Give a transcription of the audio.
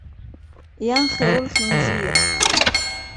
ينخر الخنزير.